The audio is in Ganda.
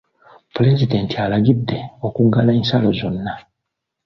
Pulezidenti alagidde okuggala ensalo zonna.